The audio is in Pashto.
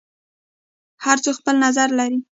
هر څوک خپل نظر لري.